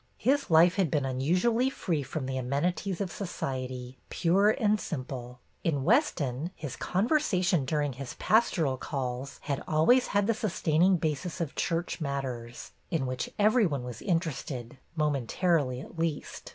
His life had been unusually free from the amenities of society, pure and simple. In Weston his conversation during his pastoral calls had always had the sustain ing basis of church matters, in which every one was interested, momentarily, at least.